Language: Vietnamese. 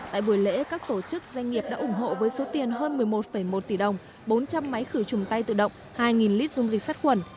tại buổi lễ các tổ chức doanh nghiệp đã ủng hộ với số tiền hơn một mươi một một tỷ đồng bốn trăm linh máy khử trùng tay tự động hai lít dung dịch sát khuẩn